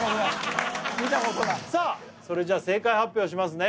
さあそれじゃ正解発表しますね